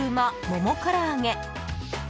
ももから揚げ。